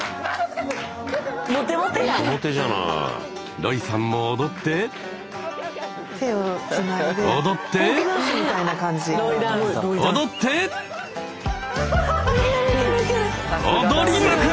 ロイさんも踊って踊って踊って踊りまくる！